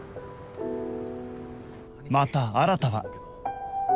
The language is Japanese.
また新は